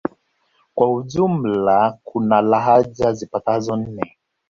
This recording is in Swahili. Kwa ujumla kuna lahaja zipatazo nne